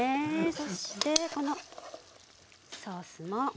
そしてこのソースもかけて。